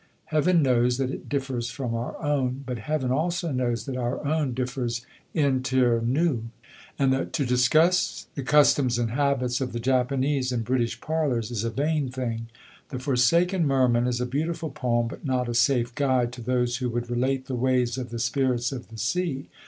Heaven knows that it differs from our own; but Heaven also knows that our own differs inter nos; and that to discuss the customs and habits of the Japanese in British parlours is a vain thing. The Forsaken Merman is a beautiful poem, but not a safe guide to those who would relate the ways of the spirits of the sea.